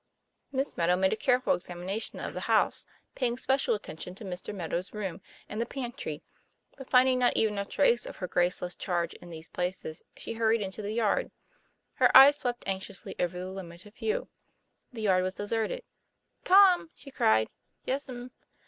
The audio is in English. Miss Meadow made a careful examina tion of the house, paying special attention to Mr. Meadow's room, and the pantry; but finding not even a trace of her graceless charge in these places, she hurried into the yard. Her eyes swept anxiously over the limited view. The yard was deserted. "Tom!" she cried. "Yes'm."